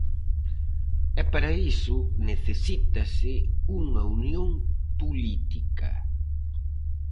E para iso necesítase unha unión política.